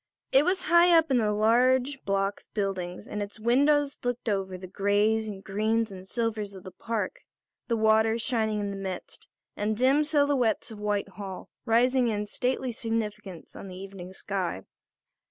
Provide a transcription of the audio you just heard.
It was high up in the large block of buildings and its windows looked over the greys and greens and silvers of the park, the water shining in the midst, and the dim silhouettes of Whitehall rising in stately significance on the evening sky.